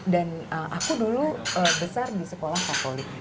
dan aku dulu besar di sekolah fakult